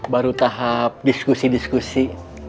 baru tahap diskusi diskusi